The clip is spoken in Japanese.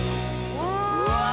うわ！